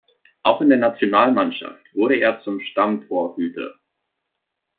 Auch in der Nationalmannschaft wurde er zum Stammtorhüter.